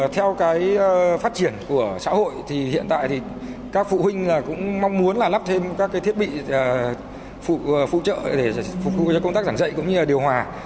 theo phát triển của xã hội hiện tại các phụ huynh cũng mong muốn lắp thêm các thiết bị phụ trợ để phục vụ công tác giảng dạy cũng như điều hòa